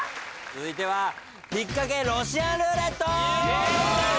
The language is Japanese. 続いては。